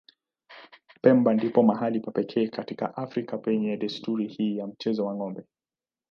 Pemba ndipo mahali pa pekee katika Afrika penye desturi hii ya mchezo wa ng'ombe.